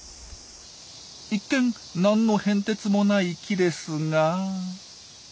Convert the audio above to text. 一見何の変哲もない木ですが。